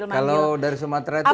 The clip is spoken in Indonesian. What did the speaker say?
kalau dari sumatera itu